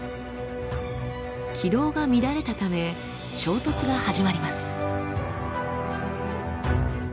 軌道が乱れたため衝突が始まります。